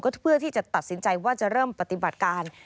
เพื่อที่จะตัดสินใจว่าจะเริ่มปฏิบัติการ